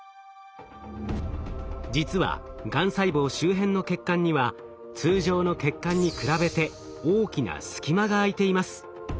実はがん細胞周辺の血管には通常の血管に比べて大きな隙間があいています。